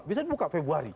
bisa dibuka februari